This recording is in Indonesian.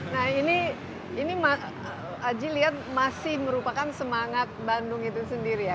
nah ini aji lihat masih merupakan semangat bandung itu sendiri ya